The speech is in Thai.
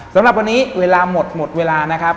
สำหรับวันนี้เวลาหมดหมดเวลานะครับ